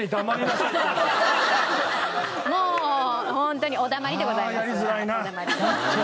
もうホントに「お黙り！」でございます。